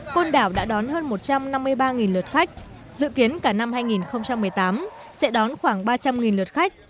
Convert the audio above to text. côn đảo đã đón hơn một trăm năm mươi ba lượt khách dự kiến cả năm hai nghìn một mươi tám sẽ đón khoảng ba trăm linh lượt khách